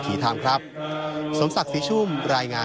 ที่กลมการศาสนา